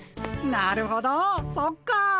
なるほどそっか。